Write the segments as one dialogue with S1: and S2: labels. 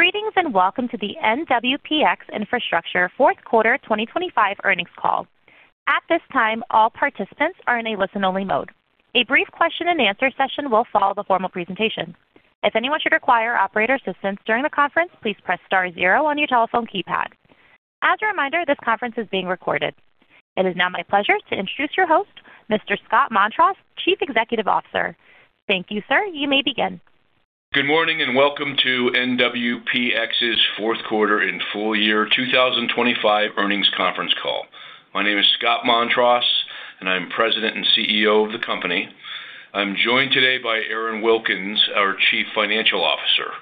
S1: Greetings, welcome to the NWPX Infrastructure Fourth Quarter 2025 earnings call. At this time, all participants are in a listen-only mode. A brief question and answer session will follow the formal presentation. If anyone should require operator assistance during the conference, please press star zero on your telephone keypad. As a reminder, this conference is being recorded. It is now my pleasure to introduce your host, Mr. Scott Montross, Chief Executive Officer. Thank you, sir. You may begin.
S2: Good morning, and welcome to NWPX's 4th quarter and full year 2025 earnings conference call. My name is Scott Montross, and I'm President and Chief Executive Officer of the company. I'm joined today by Aaron Wilkins, our Chief Financial Officer.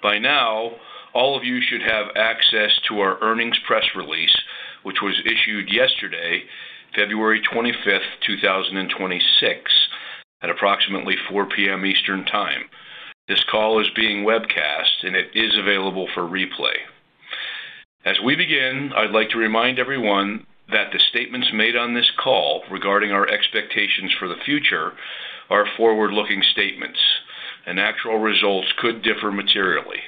S2: By now, all of you should have access to our earnings press release, which was issued yesterday, February 25th, 2026, at approximately 4:00 P.M. Eastern Time. This call is being webcast, and it is available for replay. As we begin, I'd like to remind everyone that the statements made on this call regarding our expectations for the future are forward-looking statements, and actual results could differ materially.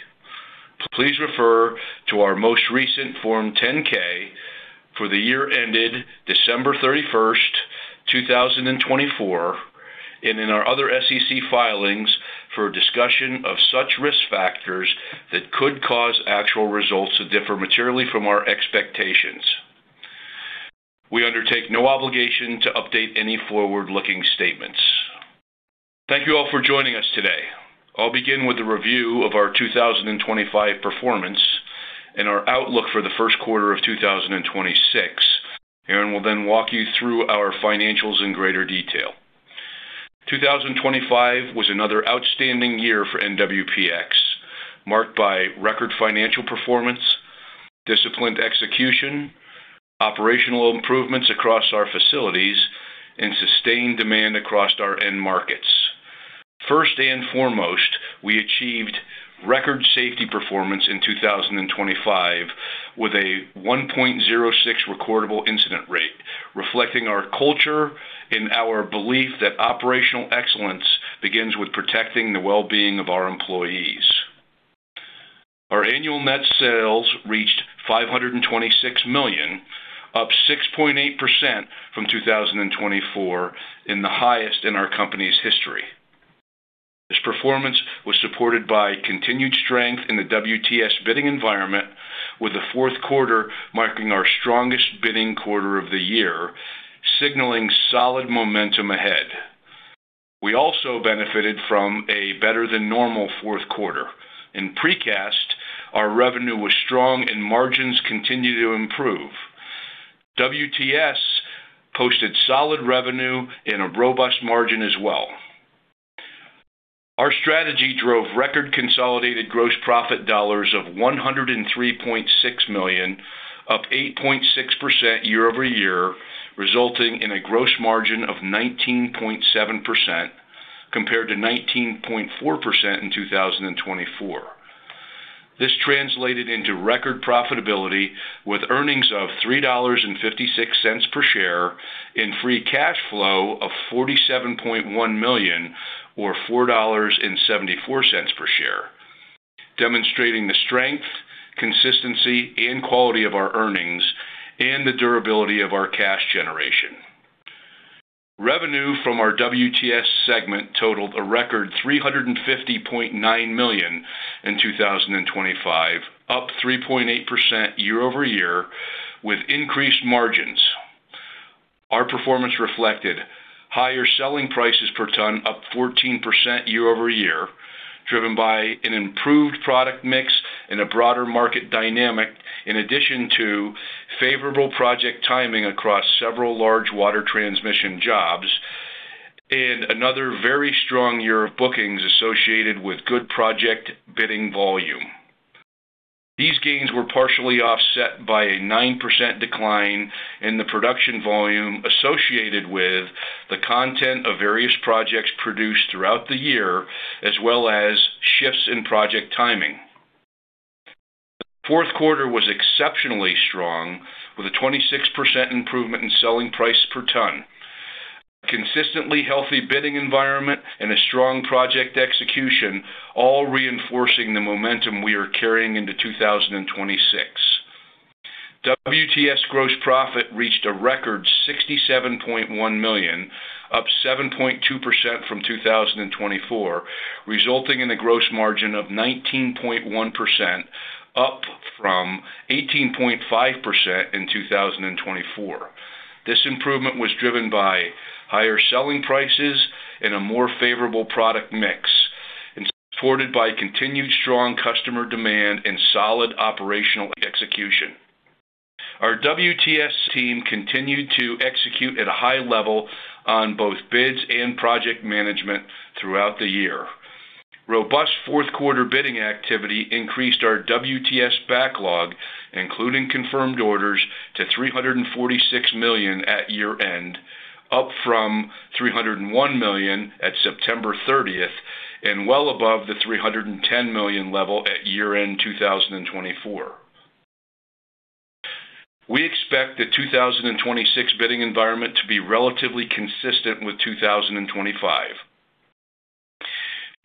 S2: Please refer to our most recent Form 10-K for the year ended December 31st, 2024, and in our other SEC filings for a discussion of such risk factors that could cause actual results to differ materially from our expectations. We undertake no obligation to update any forward-looking statements. Thank you all for joining us today. I'll begin with a review of our 2025 performance and our outlook for the first quarter of 2026, and we'll then walk you through our financials in greater detail. 2025 was another outstanding year for NWPX, marked by record financial performance, disciplined execution, operational improvements across our facilities, and sustained demand across our end markets. First and foremost, we achieved record safety performance in 2025 with a 1.06 recordable incident rate, reflecting our culture and our belief that operational excellence begins with protecting the well-being of our employees. Our annual net sales reached $526 million, up 6.8% from 2024, and the highest in our company's history. This performance was supported by continued strength in the WTS bidding environment, with the fourth quarter marking our strongest bidding quarter of the year, signaling solid momentum ahead. We also benefited from a better-than-normal fourth quarter. In Precast, our revenue was strong and margins continued to improve. WTS posted solid revenue and a robust margin as well. Our strategy drove record consolidated gross profit dollars of $103.6 million, up 8.6% year-over-year, resulting in a gross margin of 19.7%, compared to 19.4% in 2024. This translated into record profitability, with earnings of $3.56 per share and free cash flow of $47.1 million, or $4.74 per share, demonstrating the strength, consistency, and quality of our earnings and the durability of our cash generation. Revenue from our WTS segment totaled a record $350.9 million in 2025, up 3.8% year-over-year with increased margins. Our performance reflected higher selling prices per ton, up 14% year-over-year, driven by an improved product mix and a broader market dynamic, in addition to favorable project timing across several large Water Transmission jobs and another very strong year of bookings associated with good project bidding volume. These gains were partially offset by a 9% decline in the production volume associated with the content of various projects produced throughout the year, as well as shifts in project timing. Fourth quarter was exceptionally strong, with a 26% improvement in selling price per ton, consistently healthy bidding environment and a strong project execution, all reinforcing the momentum we are carrying into 2026. WTS gross profit reached a record $67.1 million, up 7.2% from 2024, resulting in a gross margin of 19.1%, up from 18.5% in 2024. This improvement was driven by higher selling prices and a more favorable product mix and supported by continued strong customer demand and solid operational execution. Our WTS team continued to execute at a high level on both bids and project management throughout the year. Robust fourth quarter bidding activity increased our WTS backlog, including confirmed orders, to $346 million at year-end, up from $301 million at September 30th, and well above the $310 million level at year-end 2024. We expect the 2026 bidding environment to be relatively consistent with 2025.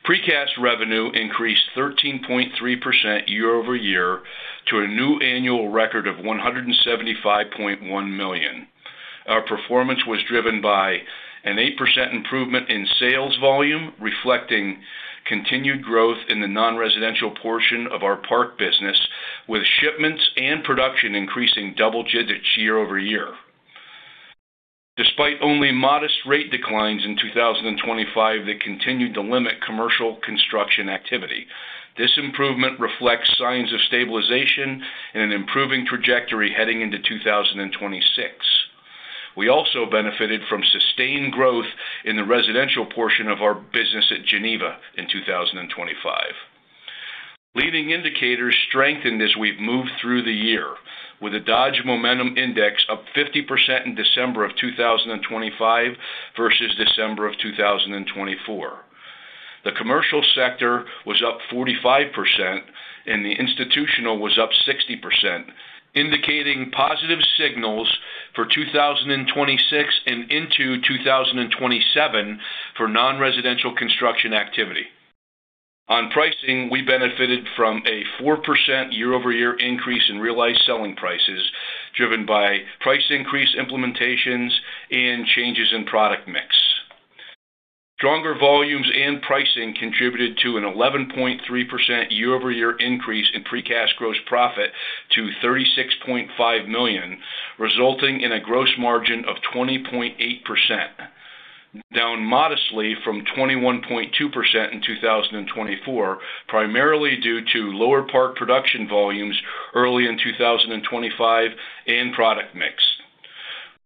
S2: Precast revenue increased 13.3% year-over-year to a new annual record of $175.1 million. Our performance was driven by an 8% improvement in sales volume, reflecting continued growth in the non-residential portion of our Park business, with shipments and production increasing double digits year-over-year. Despite only modest rate declines in 2025, they continued to limit commercial construction activity. This improvement reflects signs of stabilization and an improving trajectory heading into 2026. We also benefited from sustained growth in the residential portion of our business at Geneva in 2025. Leading indicators strengthened as we've moved through the year, with a Dodge Momentum Index up 50% in December 2025 versus December 2024. The commercial sector was up 45, and the institutional was up 60%, indicating positive signals for 2026 and into 2027 for non-residential construction activity. On pricing, we benefited from a 4% year-over-year increase in realized selling prices, driven by price increase implementations and changes in product mix. Stronger volumes and pricing contributed to an 11.3% year-over-year increase in Precast gross profit to $36.5 million, resulting in a gross margin of 20.8%, down modestly from 21.2% in 2024, primarily due to lower Park production volumes early in 2025 and product mix.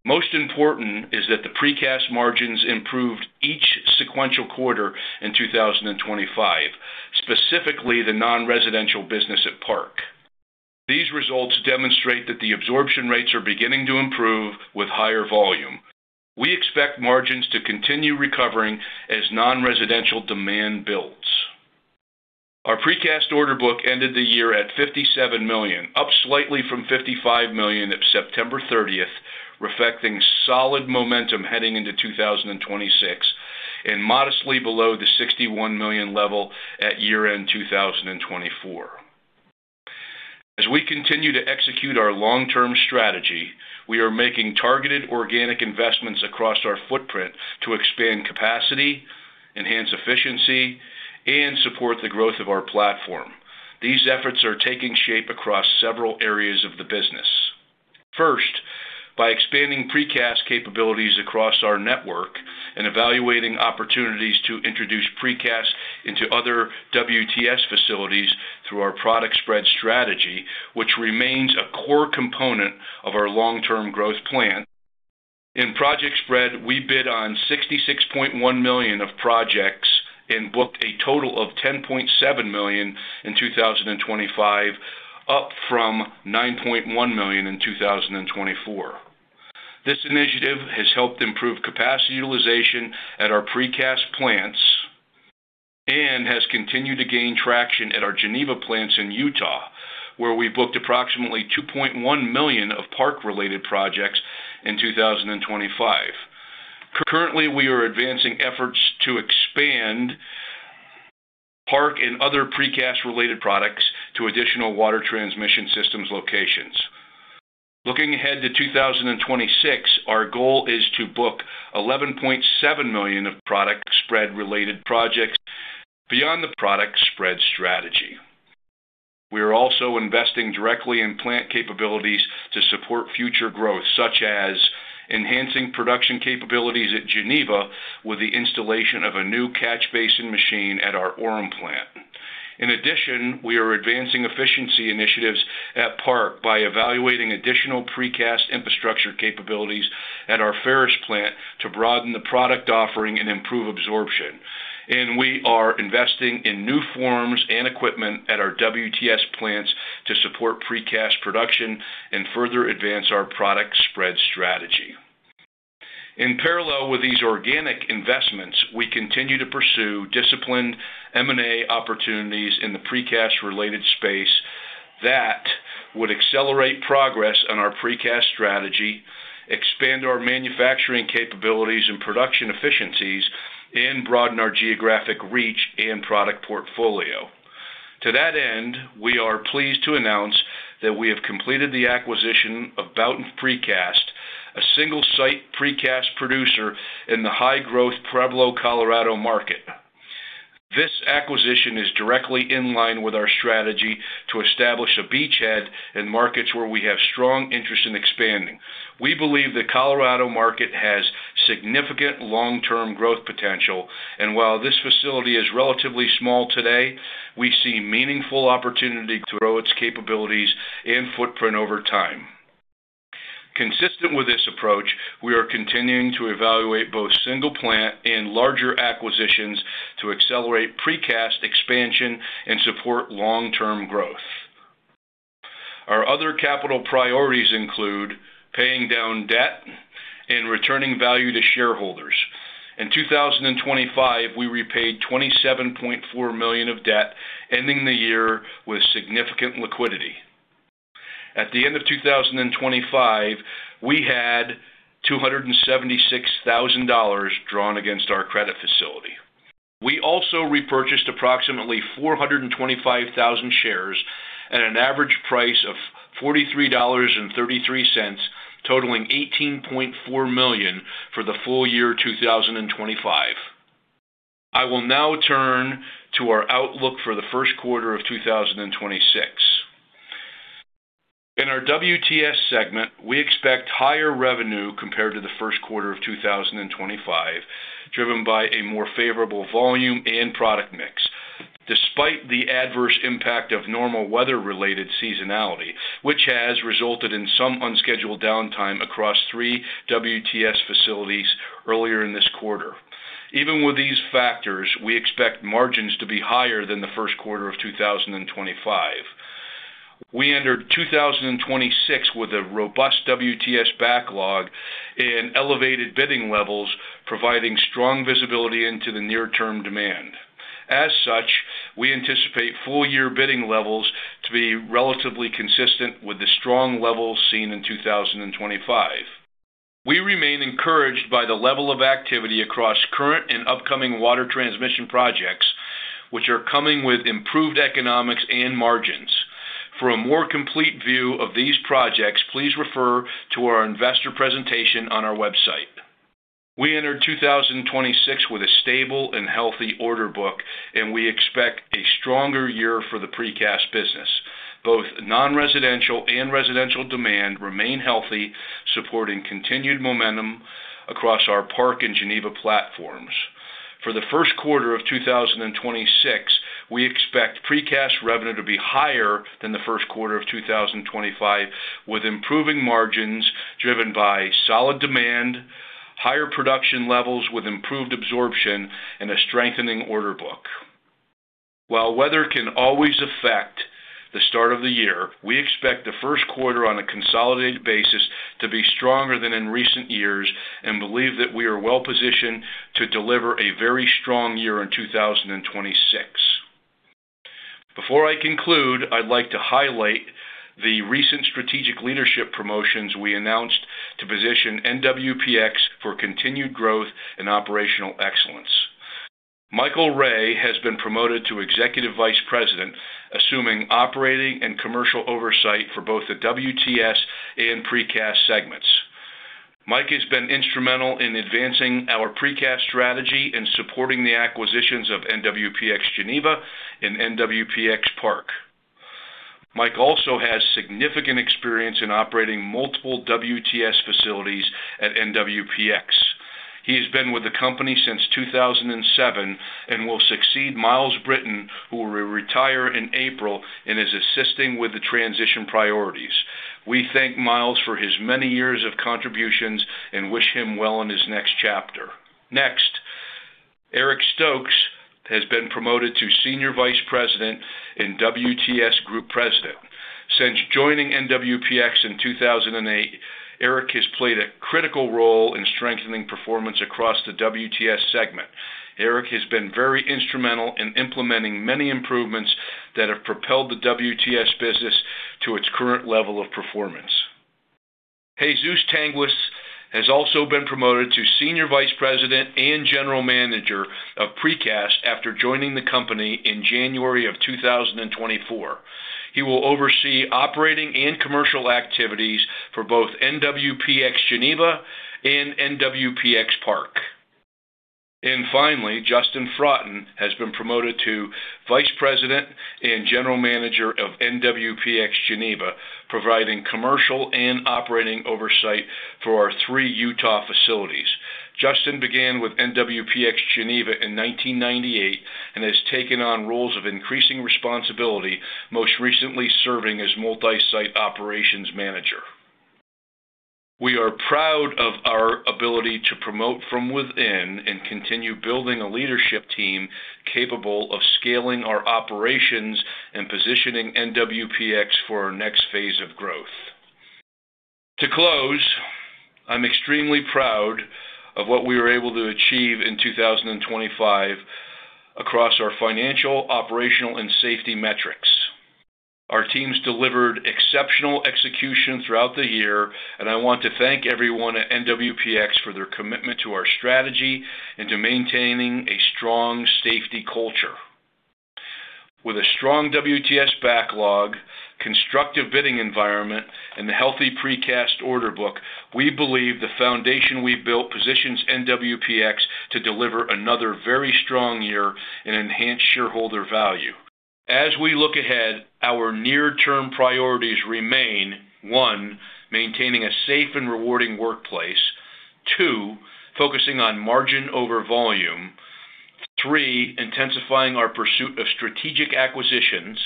S2: Most important is that the Precast margins improved each sequential quarter in 2025, specifically the non-residential business at Park. These results demonstrate that the absorption rates are beginning to improve with higher volume. We expect margins to continue recovering as non-residential demand builds. Our Precast order book ended the year at $57 million, up slightly from $55 million at September 30th, reflecting solid momentum heading into 2026 and modestly below the $61 million level at year-end 2024. As we continue to execute our long-term strategy, we are making targeted organic investments across our footprint to expand capacity, enhance efficiency, and support the growth of our platform. These efforts are taking shape across several areas of the business. First, by expanding Precast capabilities across our network and evaluating opportunities to introduce Precast into other WTS facilities through our Product Spread strategy, which remains a core component of our long-term growth plan. In Product Spread, we bid on $66.1 million of projects and booked a total of $10.7 million in 2025, up from $9.1 million in 2024. This initiative has helped improve capacity utilization at our Precast plants and has continued to gain traction at our Geneva plants in Utah, where we booked approximately $2.1 million of Park-related projects in 2025. Currently, we are advancing efforts to expand Park and other Precast-related products to additional Water Transmission Systems locations. Looking ahead to 2026, our goal is to book $11.7 million of Product Spread-related projects beyond the Product Spread strategy. We are also investing directly in plant capabilities to support future growth, such as enhancing production capabilities at Geneva with the installation of a new catch basin machine at our Orem plant. We are advancing efficiency initiatives at Park by evaluating additional Precast infrastructure capabilities at our Ferris plant to broaden the product offering and improve absorption. We are investing in new forms and equipment at our WTS plants to support Precast production and further advance our Product Spread strategy. In parallel with these organic investments, we continue to pursue disciplined M&A opportunities in the Precast-related space that would accelerate progress on our Precast strategy, expand our manufacturing capabilities and production efficiencies, and broaden our geographic reach and product portfolio. To that end, we are pleased to announce that we have completed the acquisition of Boughton's Precast, a single-site Precast producer in the high-growth Pueblo, Colorado market. This acquisition is directly in line with our strategy to establish a beachhead in markets where we have strong interest in expanding. We believe the Colorado market has significant long-term growth potential, and while this facility is relatively small today, we see meaningful opportunity to grow its capabilities and footprint over time. Consistent with this approach, we are continuing to evaluate both single plant and larger acquisitions to accelerate Precast expansion and support long-term growth. Our other capital priorities include paying down debt and returning value to shareholders. In 2025, we repaid $27.4 million of debt, ending the year with significant liquidity. At the end of 2025, we had $276,000 drawn against our credit facility. We also repurchased approximately 425,000 shares at an average price of $43.33, totaling $18.4 million for the full year, 2025. I will now turn to our outlook for the first quarter of 2026. In our WTS segment, we expect higher revenue compared to the first quarter of 2025, driven by a more favorable volume and product mix, despite the adverse impact of normal weather-related seasonality, which has resulted in some unscheduled downtime across three WTS facilities earlier in this quarter. Even with these factors, we expect margins to be higher than the first quarter of 2025. We entered 2026 with a robust WTS backlog and elevated bidding levels, providing strong visibility into the near-term demand. As such, we anticipate full-year bidding levels to be relatively consistent with the strong levels seen in 2025. We remain encouraged by the level of activity across current and upcoming water transmission projects, which are coming with improved economics and margins. For a more complete view of these projects, please refer to our investor presentation on our website. We entered 2026 with a stable and healthy order book. We expect a stronger year for the Precast business. Both non-residential and residential demand remain healthy, supporting continued momentum across our Park and Geneva platforms. For the first quarter of 2026, we expect Precast revenue to be higher than the first quarter of 2025, with improving margins driven by solid demand, higher production levels with improved absorption, and a strengthening order book. While weather can always affect the start of the year, we expect the first quarter on a consolidated basis to be stronger than in recent years and believe that we are well-positioned to deliver a very strong year in 2026. Before I conclude, I'd like to highlight the recent strategic leadership promotions we announced to position NWPX for continued growth and operational excellence. Michael Wray has been promoted to Executive Vice President, assuming operating and commercial oversight for both the WTS and Precast segments. Mike has been instrumental in advancing our precast strategy and supporting the acquisitions of NWPX Geneva and NWPX Park. Mike also has significant experience in operating multiple WTS facilities at NWPX. He has been with the company since 2007 and will succeed Myles Brittain, who will retire in April and is assisting with the transition priorities. We thank Miles for his many years of contributions and wish him well in his next chapter. Next, Eric Stokes has been promoted to Senior Vice President and WTS Group President. Since joining NWPX in 2008, Eric has played a critical role in strengthening performance across the WTS segment. Eric has been very instrumental in implementing many improvements that have propelled the WTS business to its current level of performance. Jesus Tanguis has also been promoted to Senior Vice President and General Manager of Precast after joining the company in January of 2024. He will oversee operating and commercial activities for both NWPX Geneva and NWPX Park. Finally, Justin Fraughton has been promoted to Vice President and General Manager of NWPX Geneva, providing commercial and operating oversight for our three Utah facilities. Justin began with NWPX Geneva in 1998 and has taken on roles of increasing responsibility, most recently serving as multi-site operations manager. We are proud of our ability to promote from within and continue building a leadership team capable of scaling our operations and positioning NWPX for our next phase of growth. To close, I'm extremely proud of what we were able to achieve in 2025 across our financial, operational, and safety metrics. Our teams delivered exceptional execution throughout the year, and I want to thank everyone at NWPX for their commitment to our strategy and to maintaining a strong safety culture. With a strong WTS backlog, constructive bidding environment, and a healthy Precast order book, we believe the foundation we've built positions NWPX to deliver another very strong year and enhance shareholder value. As we look ahead, our near-term priorities remain: one, maintaining a safe and rewarding workplace. Two, focusing on margin over volume. Three, intensifying our pursuit of strategic acquisitions.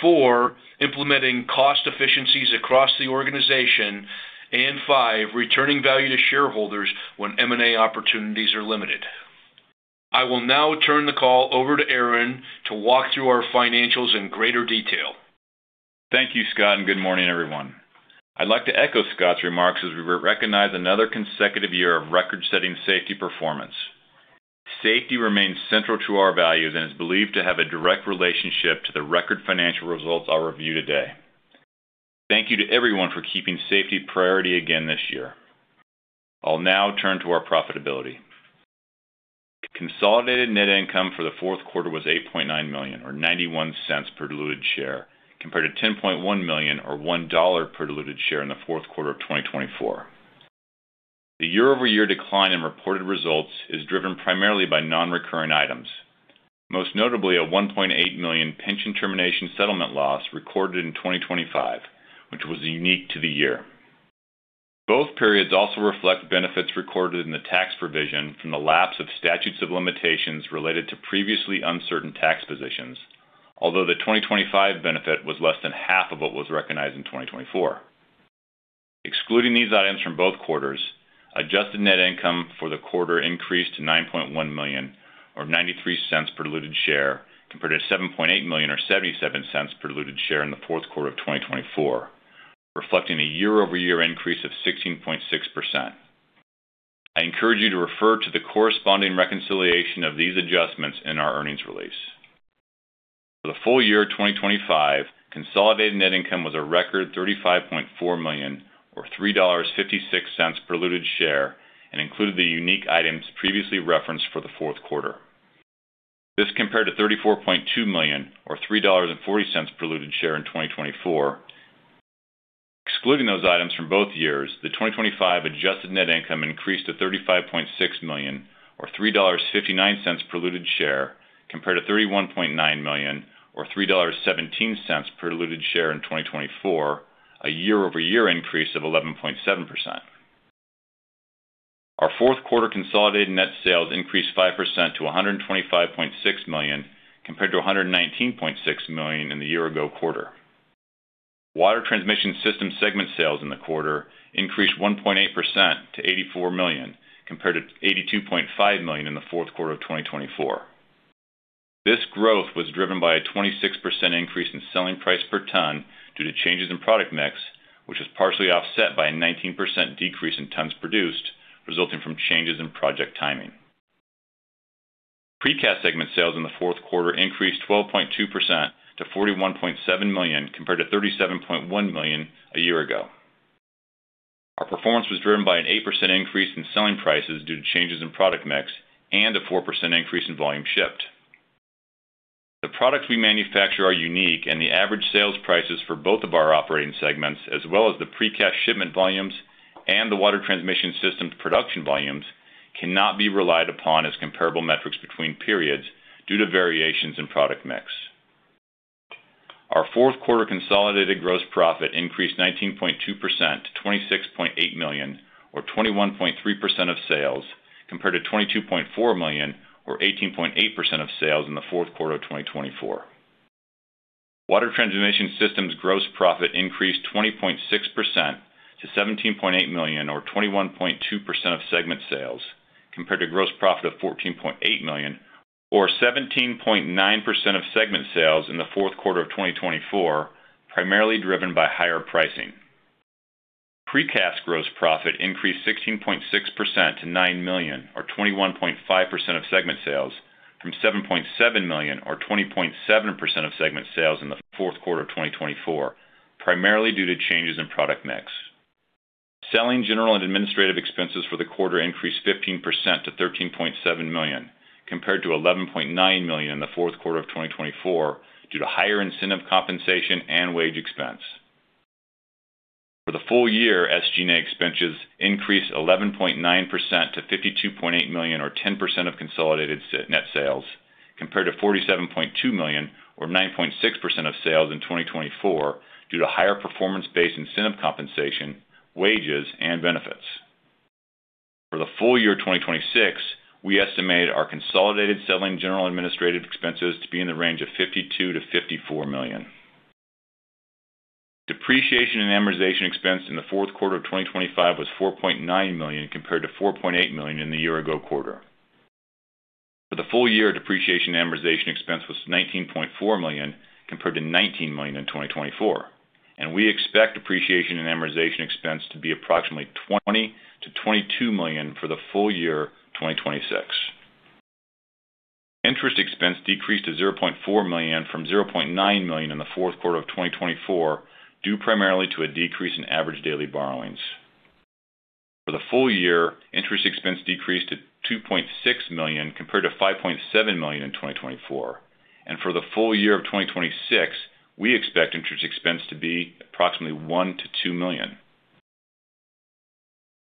S2: Four, implementing cost efficiencies across the organization. five, returning value to shareholders when M&A opportunities are limited. I will now turn the call over to Aaron to walk through our financials in greater detail.
S3: Thank you, Scott, and good morning, everyone. I'd like to echo Scott's remarks as we recognize another consecutive year of record-setting safety performance. Safety remains central to our values and is believed to have a direct relationship to the record financial results I'll review today. Thank you to everyone for keeping safety priority again this year. I'll now turn to our profitability. Consolidated net income for the fourth quarter was $8.9 million, or $0.91 per diluted share, compared to $10.1 million, or $1 per diluted share in the fourth quarter of 2024. The year-over-year decline in reported results is driven primarily by non-recurring items, most notably a $1.8 million pension termination settlement loss recorded in 2025, which was unique to the year. Both periods also reflect benefits recorded in the tax provision from the lapse of statutes of limitations related to previously uncertain tax positions, although the 2025 benefit was less than half of what was recognized in 2024. Excluding these items from both quarters, adjusted net income for the quarter increased to $9.1 million, or $0.93 per diluted share, compared to $7.8 million or $0.77 per diluted share in the fourth quarter of 2024, reflecting a year-over-year increase of 16.6%. I encourage you to refer to the corresponding reconciliation of these adjustments in our earnings release. For the full year of 2025, consolidated net income was a record $35.4 million, or $3.56 per diluted share, and included the unique items previously referenced for the fourth quarter. This compared to $34.2 million, or $3.40 per diluted share in 2024. Excluding those items from both years, the 2025 adjusted net income increased to $35.6 million, or $3.59 per diluted share, compared to $31.9 million, or $3.17 per diluted share in 2024, a year-over-year increase of 11.7%. Our fourth quarter consolidated net sales increased 5% to $125.6 million, compared to $119.6 million in the year-ago quarter. Water Transmission Systems segment sales in the quarter increased 1.8% to $84 million, compared to $82.5 million in the fourth quarter of 2024. This growth was driven by a 26% increase in selling price per ton due to changes in product mix, which was partially offset by a 19% decrease in tons produced, resulting from changes in project timing. Precast segment sales in the fourth quarter increased 12.2% to $41.7 million, compared to $37.1 million a year ago. Our performance was driven by an 8% increase in selling prices due to changes in product mix and a 4% increase in volume shipped. The products we manufacture are unique, and the average sales prices for both of our operating segments, as well as the Precast shipment volumes and the Water Transmission Systems' production volumes, cannot be relied upon as comparable metrics between periods due to variations in product mix. Our fourth quarter consolidated gross profit increased 19.2% to $26.8 million, or 21.3% of sales, compared to $22.4 million, or 18.8% of sales in the fourth quarter of 2024. Water Transmission Systems gross profit increased 20.6% to $17.8 million, or 21.2% of segment sales, compared to gross profit of $14.8 million, or 17.9% of segment sales in the fourth quarter of 2024, primarily driven by higher pricing. Precast gross profit increased 16.6% to $9 million, or 21.5% of segment sales, from $7.7 million, or 20.7% of segment sales in the fourth quarter of 2024, primarily due to changes in product mix. Selling, general, and administrative expenses for the quarter increased 15% to $13.7 million, compared to $11.9 million in the fourth quarter of 2024, due to higher incentive compensation and wage expense. For the full year, SG&A expenses increased 11.9% to $52.8 million, or 10% of consolidated net sales, compared to $47.2 million, or 9.6% of sales in 2024, due to higher performance-based incentive compensation, wages, and benefits. For the full year 2026, we estimate our consolidated selling, general, and administrative expenses to be in the range of $52 million-$54 million. Depreciation and amortization expense in the fourth quarter of 2025 was $4.9 million, compared to $4.8 million in the year-ago quarter. For the full year, depreciation and amortization expense was $19.4 million, compared to $19 million in 2024. We expect depreciation and amortization expense to be approximately $20 million-$22 million for the full year 2026. Interest expense decreased to $0.4 million from $0.9 million in the fourth quarter of 2024, due primarily to a decrease in average daily borrowings. For the full year, interest expense decreased to $2.6 million, compared to $5.7 million in 2024. For the full year of 2026, we expect interest expense to be approximately $1 million-$2 million.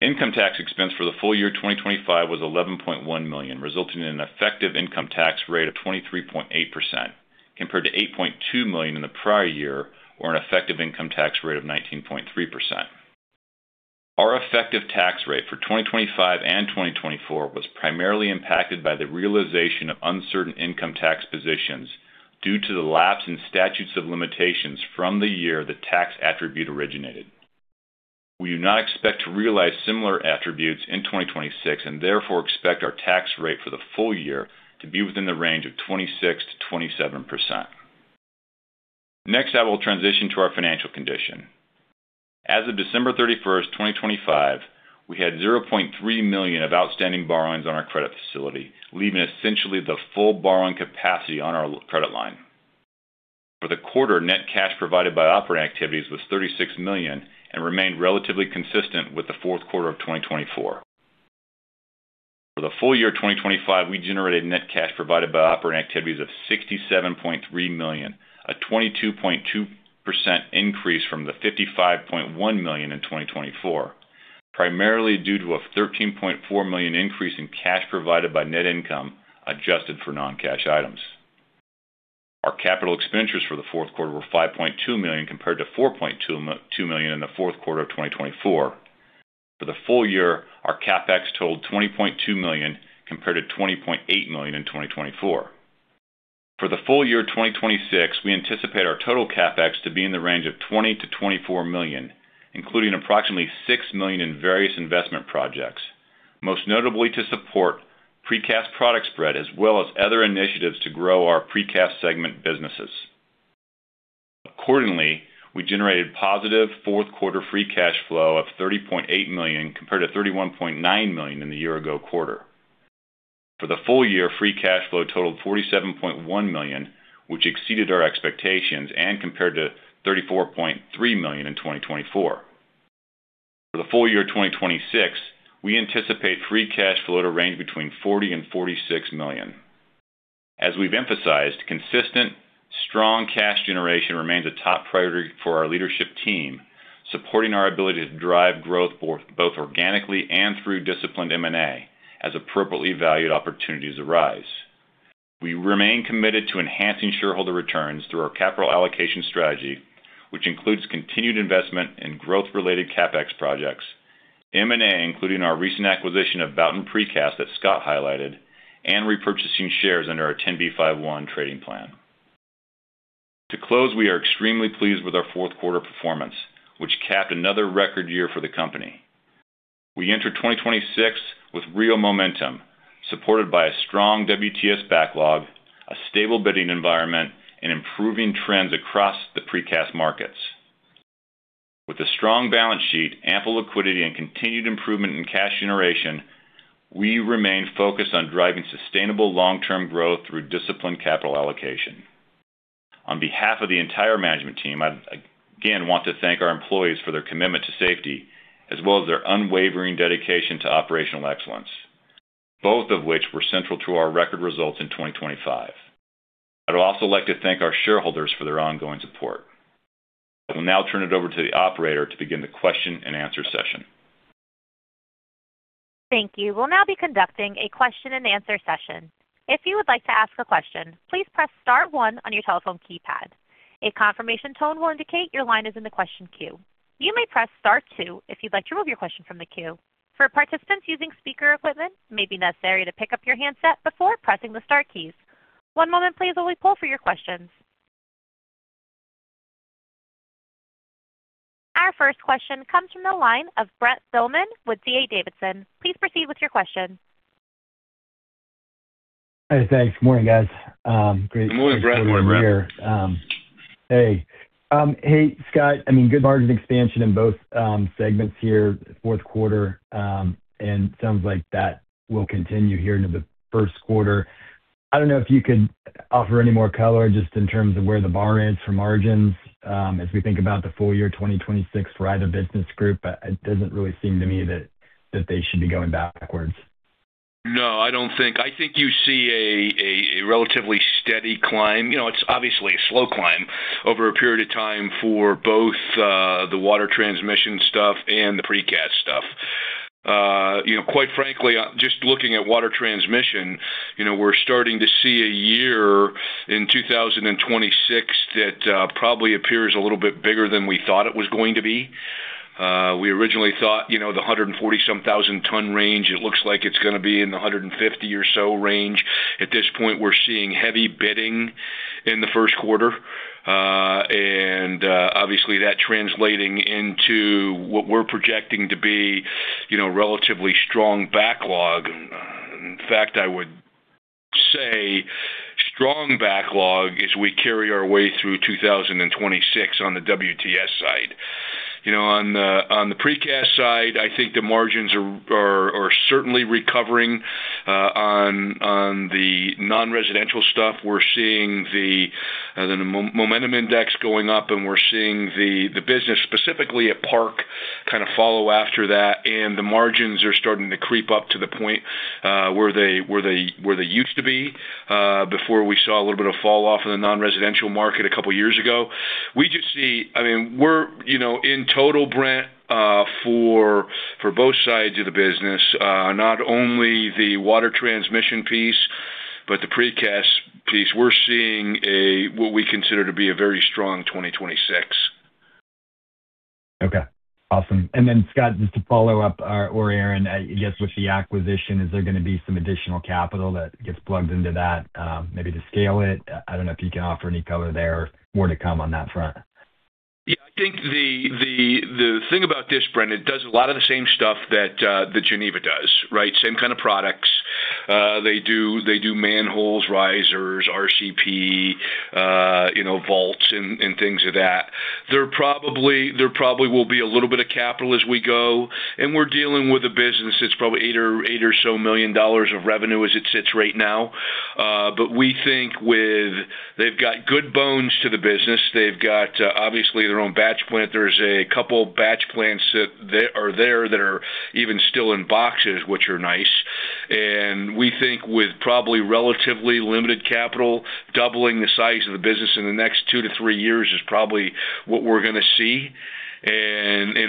S3: Income tax expense for the full year 2025 was $11.1 million, resulting in an effective income tax rate of 23.8%, compared to $8.2 million in the prior year, or an effective income tax rate of 19.3%. Our effective tax rate for 2025 and 2024 was primarily impacted by the realization of uncertain income tax positions due to the lapse in statutes of limitations from the year the tax attribute originated. Therefore expect our tax rate for the full year to be within the range of 26%-27%. Next, I will transition to our financial condition. As of December 31st, 2025, we had $0.3 million of outstanding borrowings on our credit facility, leaving essentially the full borrowing capacity on our credit line. For the quarter, net cash provided by operating activities was $36 million and remained relatively consistent with the fourth quarter of 2024. For the full year 2025, we generated net cash provided by operating activities of $67.3 million, a 22.2% increase from the $55.1 million in 2024, primarily due to a $13.4 million increase in cash provided by net income, adjusted for non-cash items. Our capital expenditures for the fourth quarter were $5.2 million, compared to $4.22 million in the fourth quarter of 2024. For the full year, our CapEx totaled $20.2 million, compared to $20.8 million in 2024. For the full year 2026, we anticipate our total CapEx to be in the range of $20 million-$24 million, including approximately $6 million in various investment projects, most notably to support Precast Product Spread, as well as other initiatives to grow our Precast segment businesses. We generated positive fourth quarter free cash flow of $30.8 million, compared to $31.9 million in the year ago quarter. For the full year, free cash flow totaled $47.1 million, which exceeded our expectations and compared to $34.3 million in 2024. For the full year 2026, we anticipate free cash flow to range between $40 million and $46 million. As we've emphasized, consistent, strong cash generation remains a top priority for our leadership team, supporting our ability to drive growth both organically and through disciplined M&A as appropriately valued opportunities arise. We remain committed to enhancing shareholder returns through our capital allocation strategy, which includes continued investment in growth-related CapEx projects, M&A, including our recent acquisition of Boughton's Precast that Scott highlighted, and repurchasing shares under our 10b5-1 trading plan. To close, we are extremely pleased with our fourth quarter performance, which capped another record year for the company. We enter 2026 with real momentum, supported by a strong WTS backlog, a stable bidding environment, and improving trends across the precast markets. With a strong balance sheet, ample liquidity, and continued improvement in cash generation, we remain focused on driving sustainable long-term growth through disciplined capital allocation. On behalf of the entire management team, I'd again want to thank our employees for their commitment to safety, as well as their unwavering dedication to operational excellence, both of which were central to our record results in 2025. I'd also like to thank our shareholders for their ongoing support. I will now turn it over to the operator to begin the question and answer session.
S1: Thank you. We'll now be conducting a question-and-answer session. If you would like to ask a question, please press star one on your telephone keypad. A confirmation tone will indicate your line is in the question queue. You may press star two if you'd like to remove your question from the queue. For participants using speaker equipment, it may be necessary to pick up your handset before pressing the star keys. One moment please, while we pull for your questions. Our first question comes from the line of Brent Thielman with D.A. Davidson. Please proceed with your question.
S4: Hey, thanks. Morning, guys.
S3: Good morning, Brent.
S2: Morning, Brent.
S4: Hey, Scott. I mean, good margin expansion in both segments here, fourth quarter. Sounds like that will continue here into the first quarter. I don't know if you could offer any more color just in terms of where the bar is for margins, as we think about the full year, 2026, for either business group. It doesn't really seem to me that they should be going backwards.
S2: No, I think you see a relatively steady climb. You know, it's obviously a slow climb over a period of time for both the water transmission stuff and the precast stuff. You know, quite frankly, just looking at water transmission, you know, we're starting to see a year in 2026 that probably appears a little bit bigger than we thought it was going to be. We originally thought, you know, the 140 some thousand ton range, it looks like it's gonna be in the 150 or so range. At this point, we're seeing heavy bidding in the first quarter, and obviously, that translating into what we're projecting to be, you know, relatively strong backlog. In fact, I would say strong backlog as we carry our way through 2026 on the WTS side. You know, on the Precast side, I think the margins are certainly recovering. On the non-residential stuff, we're seeing the momentum index going up, and we're seeing the business, specifically at Park, kind of follow after that, and the margins are starting to creep up to the point where they used to be before we saw a little bit of falloff in the non-residential market a couple of years ago. We just see, I mean, we're, you know, in total, Brent, for both sides of the business, not only the water transmission piece, but the Precast piece, we're seeing what we consider to be a very strong 2026.
S4: Okay, awesome. Scott, just to follow up, or Aaron, I guess with the acquisition, is there gonna be some additional capital that gets plugged into that, maybe to scale it? I don't know if you can offer any color there or more to come on that front.
S2: Yeah, I think the thing about this, Brent, it does a lot of the same stuff that the Geneva does, right? Same kind of products. They do manholes, risers, RCP, you know, vaults and things of that. There probably will be a little bit of capital as we go, and we're dealing with a business that's probably $8 million or so of revenue as it sits right now. We think with... They've got good bones to the business. They've got, obviously, their own batch plant. There's a couple batch plants that, they are there that are even still in boxes, which are nice, and we think with probably relatively limited capital, doubling the size of the business in the next two to three years is probably what we're gonna see.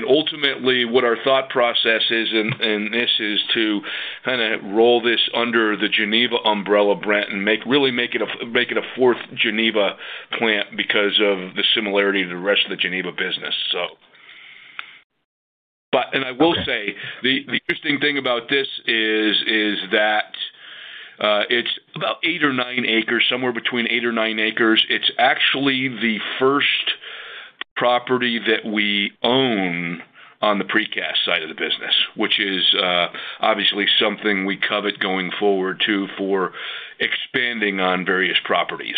S2: Ultimately, what our thought process is in this is to kind of roll this under the Geneva umbrella, Brent, really make it a fourth Geneva plant because of the similarity to the rest of the Geneva business. I will say, the interesting thing about this is that it's about eight or nine acres, somewhere between eight or nine acres. It's actually the first property that we own on the Precast side of the business, which is obviously something we covet going forward, too, for expanding on various properties.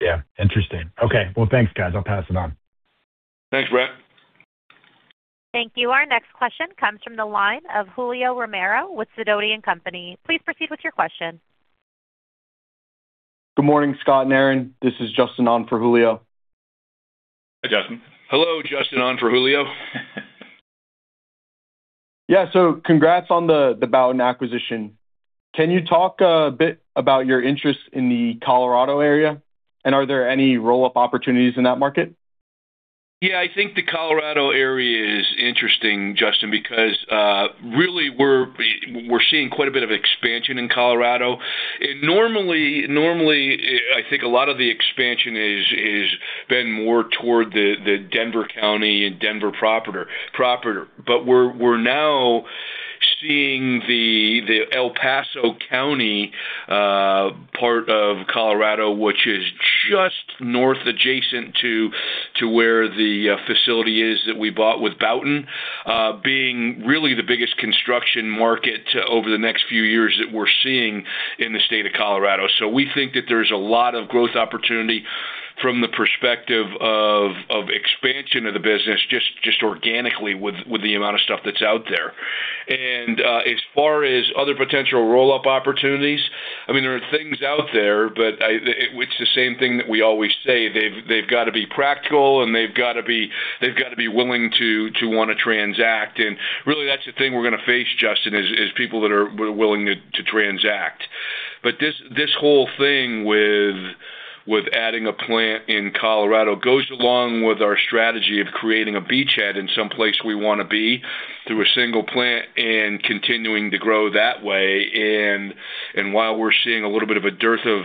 S4: Yeah, interesting. Okay, well, thanks, guys. I'll pass it on.
S2: Thanks, Brent.
S1: Thank you. Our next question comes from the line of Julio Romero with Sidoti & Company. Please proceed with your question.
S5: Good morning, Scott and Aaron. This is Justin on for Julio.
S2: Hi, Justin. Hello, Justin on for Julio.
S5: Yeah, congrats on the Boughton's acquisition. Can you talk a bit about your interest in the Colorado area, and are there any roll-up opportunities in that market?
S2: Yeah, I think the Colorado area is interesting, Justin, because really we're seeing quite a bit of expansion in Colorado. Normally, I think a lot of the expansion is been more toward the Denver County and Denver proper. We're now seeing the El Paso County part of Colorado, which is just north adjacent to where the facility is that we bought with Boughton's, being really the biggest construction market over the next few years that we're seeing in the state of Colorado. We think that there's a lot of growth opportunity from the perspective of expansion of the business, just organically with the amount of stuff that's out there. As far as other potential roll-up opportunities, I mean, there are things out there, but it's the same thing that we always say: They've got to be practical, and they've got to be willing to want to transact. Really, that's the thing we're gonna face, Justin, is people that are willing to transact. This whole thing with adding a plant in Colorado goes along with our strategy of creating a beachhead in some place we wanna be, through a single plant and continuing to grow that way. While we're seeing a little bit of a dearth of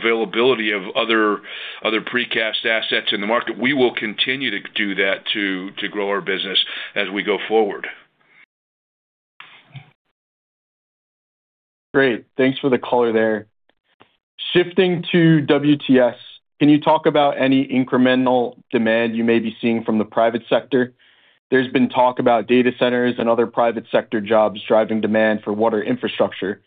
S2: availability of other precast assets in the market, we will continue to do that to grow our business as we go forward.
S5: Great, thanks for the color there. Shifting to WTS, can you talk about any incremental demand you may be seeing from the private sector? There's been talk about data centers and other private sector jobs driving demand for water infrastructure.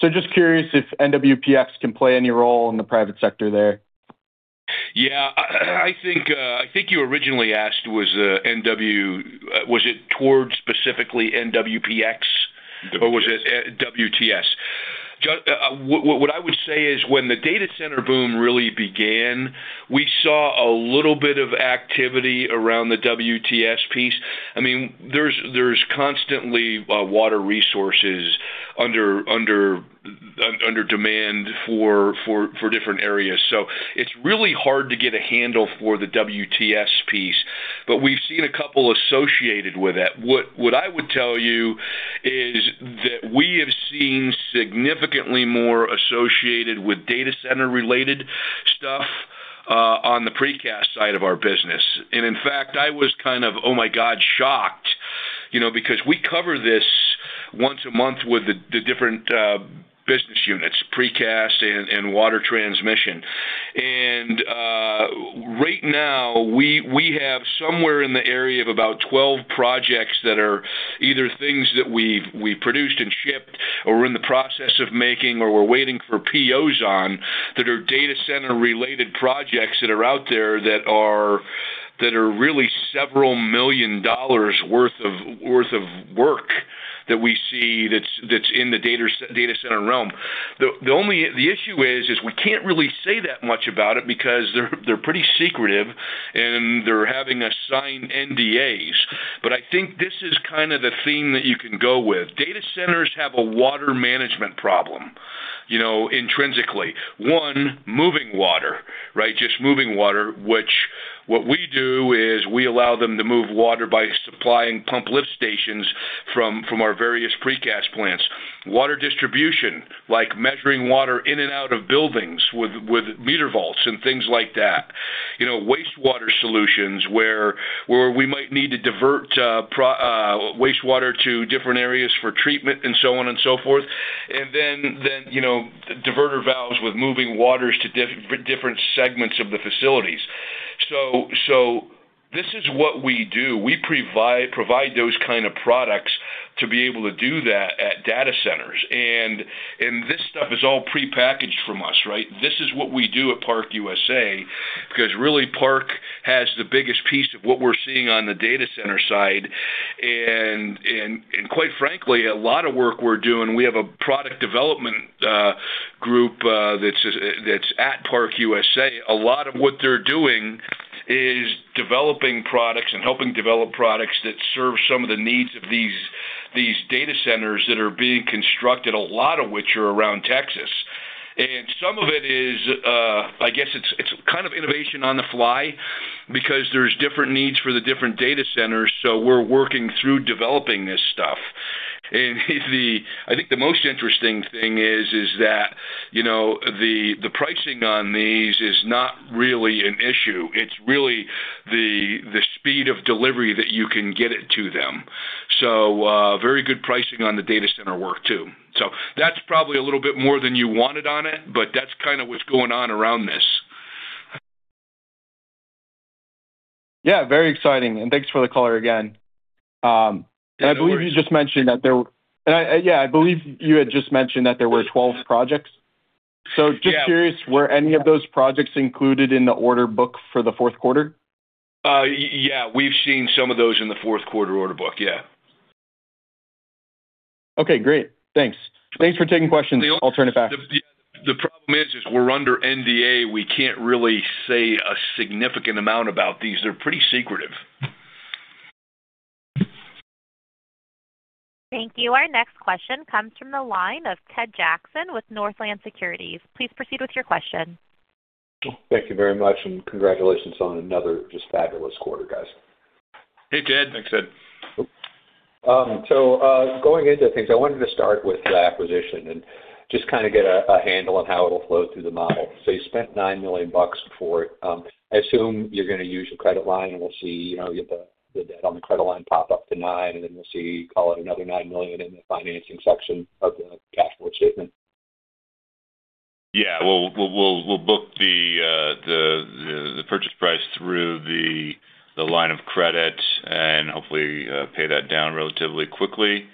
S5: Just curious if NWPX can play any role in the private sector there.
S2: Yeah, I think I think you originally asked was NWPX, or was it WTS? What I would say is when the data center boom really began, we saw a little bit of activity around the WTS piece. I mean, there's constantly water resources under demand for different areas, so it's really hard to get a handle for the WTS piece, but we've seen a couple associated with it. What I would tell you is that we have seen significantly more associated with data center-related stuff on the Precast side of our business. In fact, I was kind of, oh, my God, shocked, you know, because we cover this once a month with the different business units, Precast and water transmission. Right now, we have somewhere in the area of about 12 projects that are either things that we've produced and shipped or we're in the process of making, or we're waiting for POs on, that are data center-related projects that are out there that are really several million dollars worth of work that we see that's in the data center realm. The issue is we can't really say that much about it because they're pretty secretive, and they're having us sign NDAs. I think this is kind of the theme that you can go with. Data centers have a water management problem, you know, intrinsically. One, moving water, right? Just moving water, which what we do is we allow them to move water by supplying pump lift stations from our various precast plants. Water distribution, like measuring water in and out of buildings with meter vaults and things like that. You know, wastewater solutions, where we might need to divert wastewater to different areas for treatment and so on and so forth. You know, diverter valves with moving waters to different segments of the facilities. This is what we do. We provide those kind of products to be able to do that at data centers. This stuff is all prepackaged from us, right? This is what we do at ParkUSA, because really, Park has the biggest piece of what we're seeing on the data center side. Quite frankly, a lot of work we're doing, we have a product development group that's at ParkUSA. A lot of what they're doing is developing products and helping develop products that serve some of the needs of these data centers that are being constructed, a lot of which are around Texas. Some of it is, I guess it's kind of innovation on the fly because there's different needs for the different data centers, so we're working through developing this stuff. I think the most interesting thing is that, you know, the pricing on these is not really an issue. It's really the speed of delivery that you can get it to them. Very good pricing on the data center work, too. That's probably a little bit more than you wanted on it, but that's kind of what's going on around this.
S5: Yeah, very exciting, and thanks for the color again.
S2: Yeah, no worries.
S5: I, yeah, I believe you had just mentioned that there were 12 projects.
S2: Yeah.
S5: Just curious, were any of those projects included in the order book for the fourth quarter?
S2: Yeah, we've seen some of those in the fourth quarter order book. Yeah.
S5: Okay, great. Thanks. Thanks for taking questions. I'll turn it back.
S2: The problem is we're under NDA. We can't really say a significant amount about these. They're pretty secretive.
S1: Thank you. Our next question comes from the line of Ted Jackson with Northland Securities. Please proceed with your question.
S6: Thank you very much, and congratulations on another just fabulous quarter, guys.
S2: Hey, Ted.
S3: Thanks, Ted.
S6: Going into things, I wanted to start with the acquisition and just kind of get a handle on how it'll flow through the model. You spent $9 million for it. I assume you're going to use your credit line, and we'll see, you know, get the debt on the credit line pop up to $9 million, and then we'll see, call it another $9 million in the financing section of the cash flow statement.
S3: We'll book the purchase price through the line of credit and hopefully pay that down relatively quickly.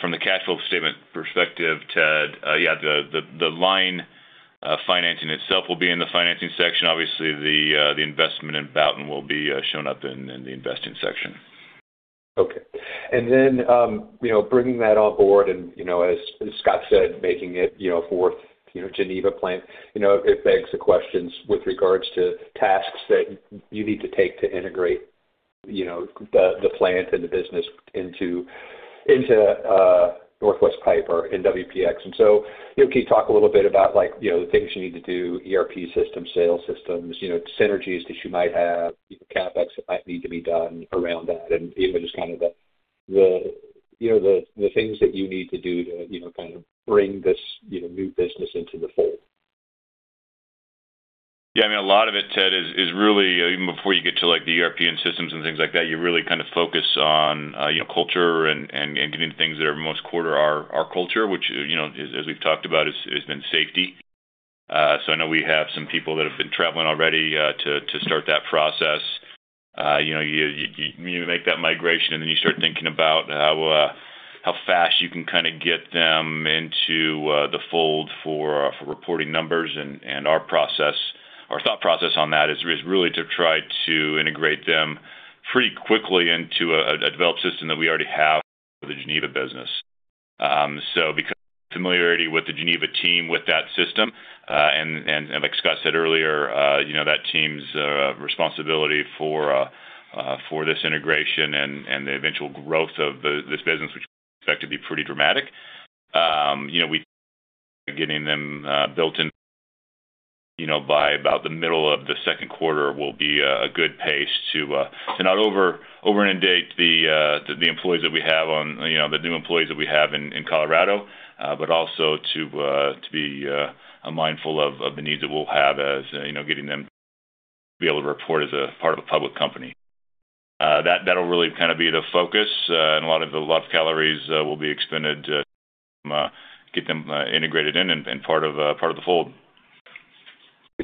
S3: From the cash flow statement perspective, Ted, the line financing itself will be in the financing section. The investment in Boughton's will be shown up in the investing section.
S6: Okay. You know, bringing that on board and, you know, as Scott said, making it, you know, fourth, you know, Geneva plant, you know, it begs the questions with regards to tasks that you need to take to integrate, you know, the plant and the business into Northwest Pipe or NWPX. You know, can you talk a little bit about like, you know, the things you need to do, ERP systems, sales systems, you know, synergies that you might have, you know, CapEx that might need to be done around that, and even just kind of the, you know, the things that you need to do to, you know, kind of bring this, you know, new business into the fold?
S3: Yeah, I mean, a lot of it, Ted, is really even before you get to like the ERP and systems and things like that, you really kind of focus on, you know, culture and getting things that are most core to our culture, which, you know, as we've talked about, is been safety. I know we have some people that have been traveling already, to start that process. You know, you make that migration, and then you start thinking about how fast you can kind of get them into the fold for reporting numbers. Our process, our thought process on that is really to try to integrate them pretty quickly into a developed system that we already have for the Geneva business. Because familiarity with the Geneva team, with that system, and like Scott said earlier, you know, that team's responsibility for this integration and the eventual growth of the, this business, which we expect to be pretty dramatic, you know, we getting them built in, you know, by about the middle of the second quarter will be a good pace to not over-inundate the employees that we have on, you know, the new employees that we have in Colorado, but also to be mindful of the needs that we'll have as, you know, getting them to be able to report as a part of a public company. That'll really kind of be the focus, and a lot of the labor calories will be expended to get them integrated in and part of the fold.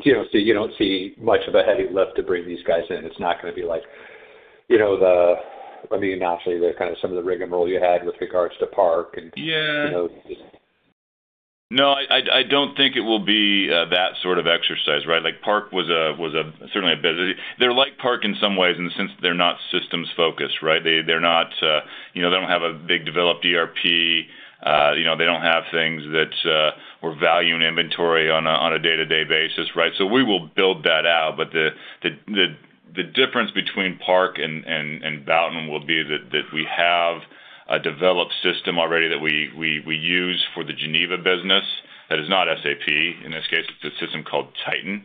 S6: You know, so you don't see much of a heavy lift to bring these guys in. It's not gonna be like, you know, let me not say the kind of some of the rigmarole you had with regards to Park and...
S3: Yeah.
S6: You know, just.
S3: No, I don't think it will be that sort of exercise, right? Like, Park was a certainly a busy. They're like Park in some ways, in the sense that they're not systems focused, right? They're not, you know, they don't have a big developed ERP. You know, they don't have things that we're valuing inventory on a day-to-day basis, right? We will build that out, but the difference between Park and Boughton's will be that we have a developed system already that we use for the Geneva business. That is not SAP. In this case, it's a system called Titan,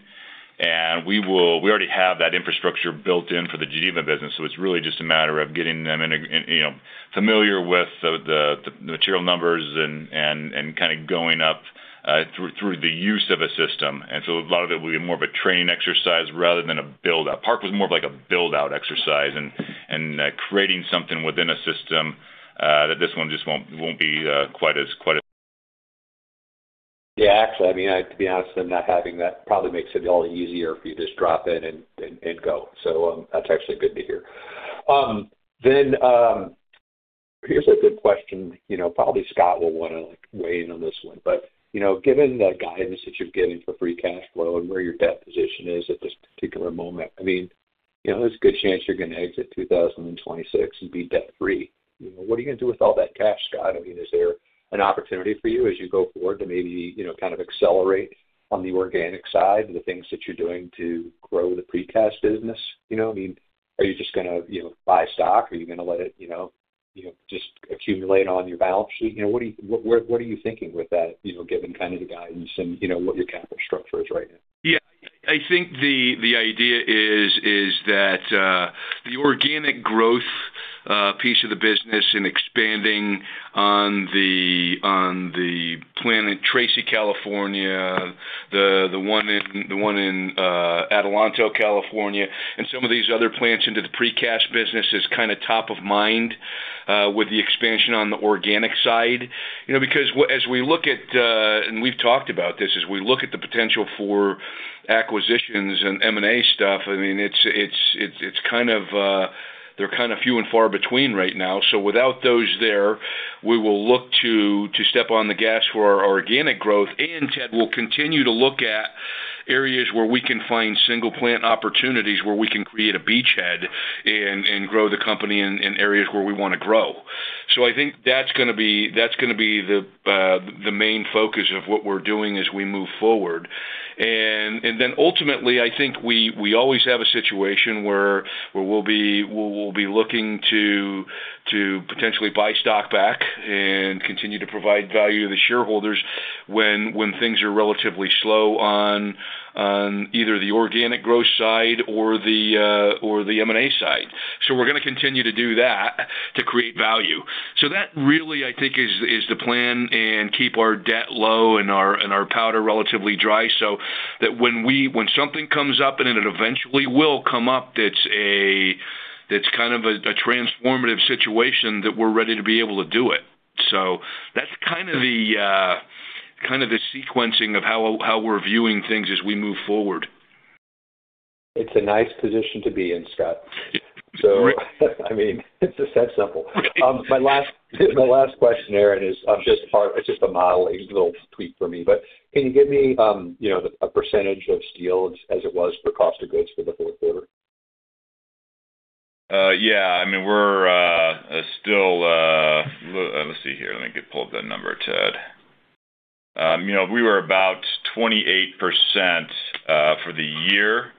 S3: and we already have that infrastructure built in for the Geneva business, so it's really just a matter of getting them in, you know, familiar with the material numbers and kind of going up through the use of a system. A lot of it will be more of a training exercise rather than a build-out. Park was more of like a build-out exercise and creating something within a system that this one just won't be quite as.
S6: Yeah, actually, I mean, to be honest, I'm not having that probably makes it a little easier if you just drop in and go. That's actually good to hear. Here's a good question. You know, probably Scott will wanna like, weigh in on this one, but, you know, given the guidance that you're giving for free cash flow and where your debt position is at this particular moment, I mean, you know, there's a good chance you're gonna exit 2026 and be debt-free. You know, what are you gonna do with all that cash, Scott? I mean, is there an opportunity for you as you go forward to maybe, you know, kind of accelerate on the organic side and the things that you're doing to grow the Precast business? You know, I mean, are you just gonna, you know, buy stock? Are you gonna let it, you know, just accumulate on your balance sheet? You know, what are you thinking with that? You know, given kind of the guidance and you know, what your capital structure is right now.
S2: Yeah, I think the idea is that the organic growth piece of the business and expanding on the plant in Tracy, California, the one in, the one in Adelanto, California, and some of these other plants into the Precast business is kind of top of mind with the expansion on the organic side. You know, because as we look at, and we've talked about this, as we look at the potential for acquisitions and M&A stuff, I mean, it's kind of they're kind of few and far between right now. Without those there, we will look to step on the gas for our organic growth. Ted, we'll continue to look at areas where we can find one plant opportunities, where we can create a beachhead and grow the company in areas where we wanna grow. I think that's gonna be the main focus of what we're doing as we move forward. Then ultimately, I think we always have a situation where we'll be looking to potentially buy stock back and continue to provide value to the shareholders when things are relatively slow on either the organic growth side or the M&A side. We're gonna continue to do that to create value. That really, I think, is the plan and keep our debt low and our powder relatively dry, so that when something comes up, and it eventually will come up, that's kind of a transformative situation, that we're ready to be able to do it. That's kind of the sequencing of how we're viewing things as we move forward.
S6: It's a nice position to be in, Scott.
S2: Right.
S6: I mean, it's just that simple.
S2: Right.
S6: My last question, Aaron, is, it's just a modeling little tweak for me, can you give me, you know, a percentage of steel as it was for cost of goods for the fourth quarter?
S3: Yeah. I mean, we're still. Let me see here. Let me pull up that number, Ted. You know, we were about 28% for the year,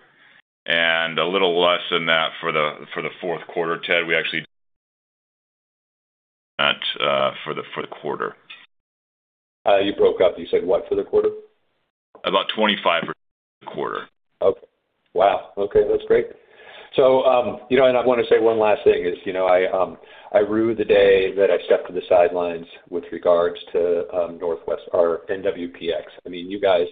S3: and a little less than that for the fourth quarter, Ted, we actually for the quarter.
S6: You broke up. You said what for the quarter?
S3: About $25 for the quarter.
S6: Okay. Wow. Okay, that's great. You know, I wanna say one last thing is, you know, I rue the day that I stepped to the sidelines with regards to Northwest or NWPX. I mean, you guys,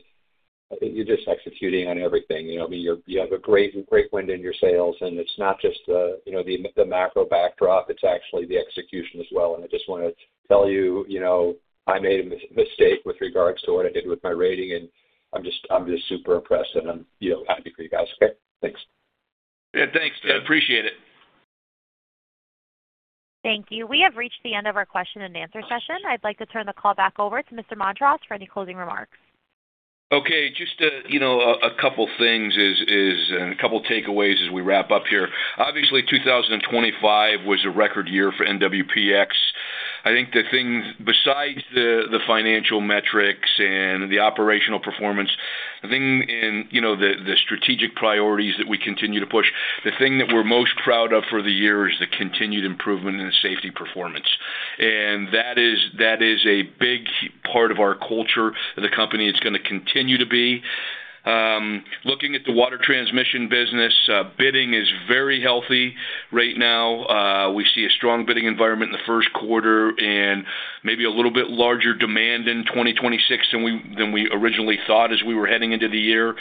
S6: you're just executing on everything, you know? I mean, you have a great wind in your sails, and it's not just the, you know, the macro backdrop, it's actually the execution as well. I just wanna tell you know, I made a mistake with regards to what I did with my rating, and I'm just super impressed, and I'm, you know, happy for you guys. Okay, thanks.
S2: Yeah, thanks, Ted. Appreciate it.
S1: Thank you. We have reached the end of our question and answer session. I'd like to turn the call back over to Mr. Montross for any closing remarks.
S2: Okay, just to, you know, a couple things and a couple takeaways as we wrap up here. Obviously, 2025 was a record year for NWPX. I think the thing, besides the financial metrics and the operational performance, the thing in, you know, the strategic priorities that we continue to push, the thing that we're most proud of for the year is the continued improvement in the safety performance. That is a big part of our culture of the company. It's gonna continue to be. Looking at the water transmission business, bidding is very healthy right now. We see a strong bidding environment in the first quarter and maybe a little bit larger demand in 2026 than we originally thought as we were heading into the year.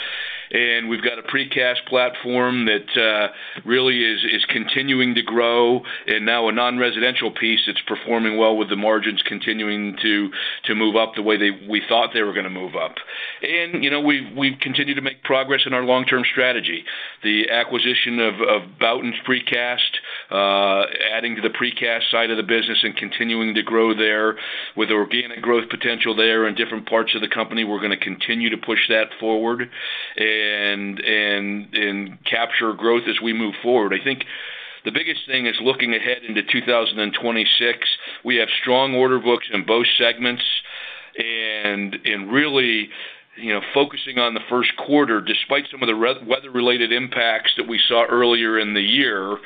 S2: We've got a precast platform that really is continuing to grow, and now a non-residential piece that's performing well with the margins continuing to move up the way we thought they were gonna move up. You know, we've continued to make progress in our long-term strategy. The acquisition of Boughton's Precast adding to the precast side of the business and continuing to grow there. With organic growth potential there in different parts of the company, we're gonna continue to push that forward and capture growth as we move forward. I think the biggest thing is looking ahead into 2026, we have strong order books in both segments and really, you know, focusing on the first quarter, despite some of the weather-related impacts that we saw earlier in the year,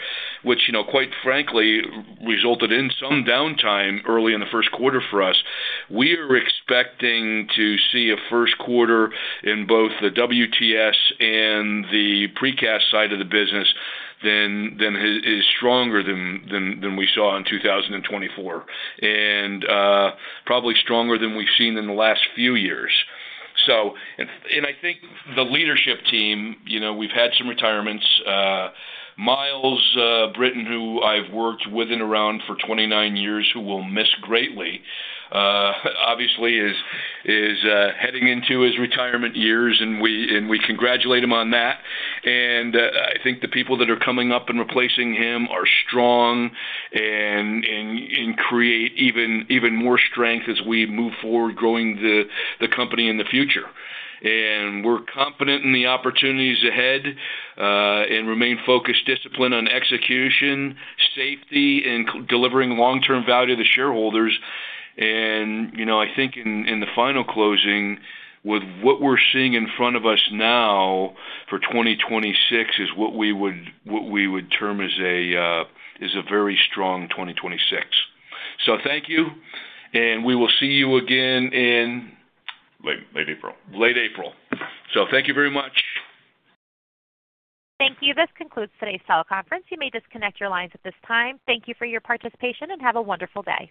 S2: which, you know, quite frankly, resulted in some downtime early in the first quarter for us. We are expecting to see a first quarter in both the WTS and the Precast side of the business than is stronger than we saw in 2024, and probably stronger than we've seen in the last few years. I think the leadership team, you know, we've had some retirements. Miles Brittain, who I've worked with and around for 29 years, who we'll miss greatly, obviously is heading into his retirement years, and we congratulate him on that. I think the people that are coming up and replacing him are strong and create even more strength as we move forward, growing the company in the future. We're confident in the opportunities ahead, and remain focused, disciplined on execution, safety, and delivering long-term value to shareholders. You know, I think in the final closing, with what we're seeing in front of us now for 2026 is what we would term as a very strong 2026. Thank you, and we will see you again in?
S3: Late, late April.
S2: Late April. Thank you very much.
S1: Thank you. This concludes today's teleconference. You may disconnect your lines at this time. Thank you for your participation, and have a wonderful day.